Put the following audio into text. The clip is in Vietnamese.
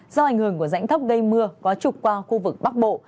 do ảnh hưởng của rãnh thấp gây mưa có trục qua khu vực bắc bộ